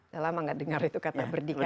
ya lama gak dengar itu kata berdikari